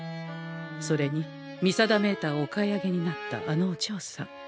それに見定メーターをお買い上げになったあのおじょうさん。